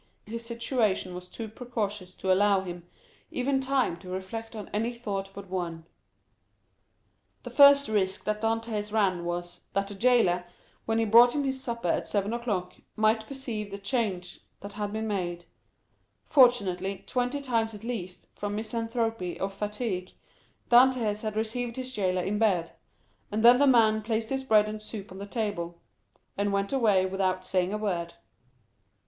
His situation was too precarious to allow him even time to reflect on any thought but one. The first risk that Dantès ran was, that the jailer, when he brought him his supper at seven o'clock, might perceive the change that had been made; fortunately, twenty times at least, from misanthropy or fatigue, Dantès had received his jailer in bed, and then the man placed his bread and soup on the table, and went away without saying a word.